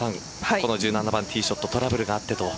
この１７番、ティーショットトラブルがあってと。